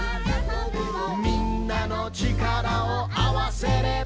「みんなの力をあわせれば」